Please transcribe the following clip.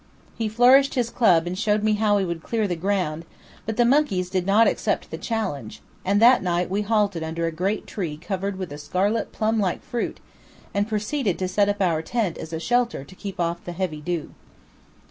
He flourished his club and showed me how he would clear the ground, but the monkeys did not accept the challenge, and that night we halted under a great tree covered with a scarlet plum like fruit, and proceeded to set up our tent as a shelter to keep off the heavy dew.